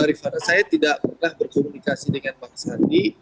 rifatat saya tidak pernah berkomunikasi dengan pak sandi